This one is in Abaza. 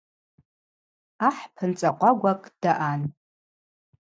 Ахӏ пынцӏа къвагвакӏ даъан.